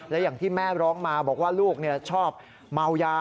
และอย่างที่แม่ร้องมาบอกว่าลูกชอบเมายา